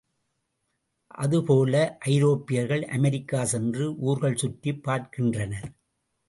அதேபோல ஐரோப்பியர்கள் அமெரிக்கா சென்று ஊர்கள் சுற்றிப் பார்க்கின்றனர்.